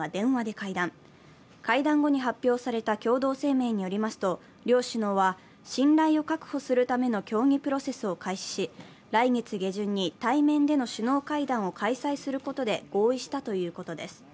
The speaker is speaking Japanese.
会談後に発表された共同声明によりますと両首脳は信頼を確保するための協議プロセスを開始し、来月下旬に対面での首脳会談を開催することで合意したということです。